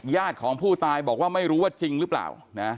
ญาติของผู้ตายบอกว่าไม่รู้ว่าจริงหรือเปล่านะ